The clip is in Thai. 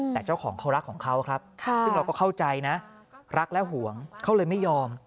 แต่เจ้าของเขารักของเขาครับซึ่งเราก็เข้าใจนะรักและห่วงเขาเลยไม่ยอม